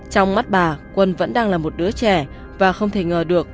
trong mắt bà quân vẫn đang là một đứa trẻ và không thể ngờ được